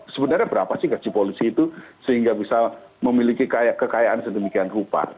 sebenarnya berapa sih gaji polisi itu sehingga bisa memiliki kekayaan sedemikian rupa